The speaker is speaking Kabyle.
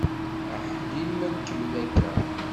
Aḥlil ma nkemmel akka!